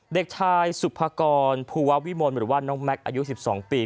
เด็กชายสุภากรภูวะวิมลหรือว่าน้องแม็กซ์อายุ๑๒ปี